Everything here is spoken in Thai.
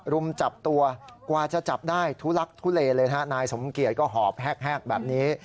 รุมจับตัวกว่าจะจับได้ทุลักทุเลเลยนะฮะนายสมเกียจก็หอบแฮกแบบนี้